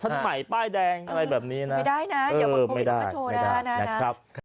ไม่ได้นะอย่าบอกพวกที่ว่ามันโชว์นะ